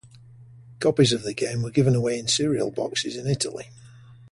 Copies of the game were given away in cereal boxes in Italy.